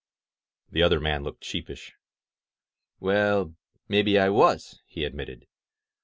The other man looked sheepish. "Well, maybe I was," he admitted.